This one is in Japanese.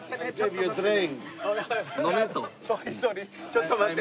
ちょっと待って。